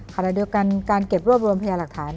ขณะเดียวกันการเก็บรวบรวมพยาหลักฐาน